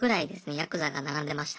ヤクザが並んでました。